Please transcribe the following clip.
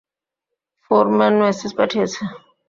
Foreman message পাঠিয়েছে।